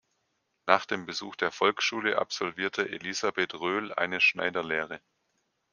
Nach dem Besuch der Volksschule absolvierte Elisabeth Röhl eine Schneiderlehre.